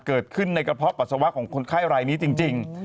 เกิดขึ้นในกระเพาะปัสสาวะของคนไข้รายนี้จริง